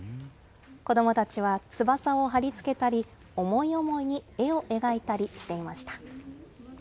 子どもたちは翼を貼り付けたり、思い思いに絵を描いたりしていました。